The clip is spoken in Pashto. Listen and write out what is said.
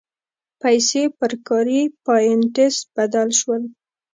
پیسې پر کاري پاینټس بدل شول.